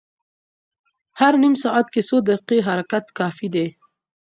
هر نیم ساعت کې څو دقیقې حرکت کافي دی.